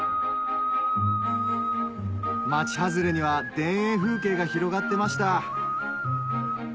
町外れには田園風景が広がってました